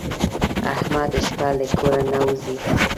احمد شپه له کوره نه وځي.